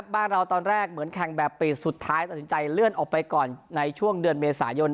บ้านเราตอนแรกเหมือนแข่งแบบปีดสุดท้ายตัดสินใจเลื่อนออกไปก่อนในช่วงเดือนเมษายน